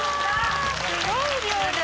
すごい量だ。